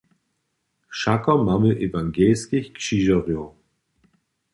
Wšako mamy ewangelskich křižerjow.